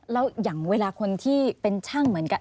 แล้วอย่างเวลาคนที่เป็นช่างเหมือนกับ